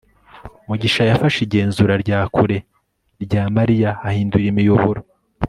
mugisha yafashe igenzura rya kure rya mariya ahindura imiyoboro